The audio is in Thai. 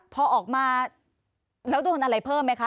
พอออกมาแล้วโดนอะไรเพิ่มไหมคะ